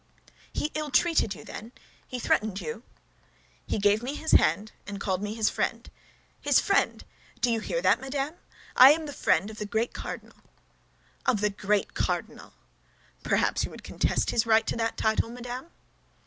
"He ill treated you, then; he threatened you?" "He gave me his hand, and called me his friend. His friend! Do you hear that, madame? I am the friend of the great cardinal!" "Of the great cardinal!" "Perhaps you would contest his right to that title, madame?"